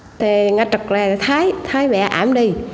một lúc là thấy thấy bẹ ảm đi